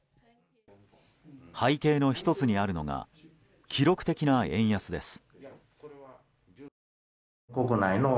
背景の１つにあるのが記録的な円安です。